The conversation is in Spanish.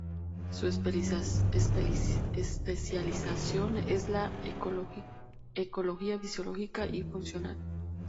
Su especialización es la ecología fisiológica y funcional.